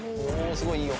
すごいいいよ。